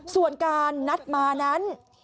ส่วนการนัดมานั้น